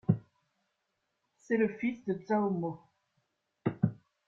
C'est le fils de Zhao Mo.